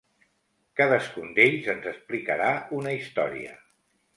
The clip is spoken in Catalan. Cadascun d'ells ens explicarà una història.